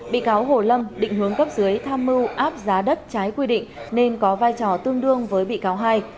bị cáo hồ lâm định hướng cấp dưới tham mưu áp giá đất trái quy định nên có vai trò tương đương với bị cáo hai